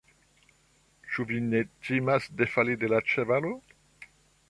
Ĉu vi ne timas defali de la ĉevalo?